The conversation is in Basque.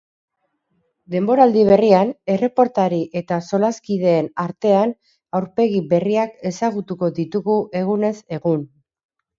Denboraldi berrian, erreportari eta solaskideen artean aurpegi berriak ezagutuko ditugu egunez egun.